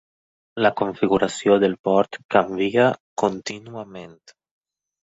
La configuració del port canvia contínuament.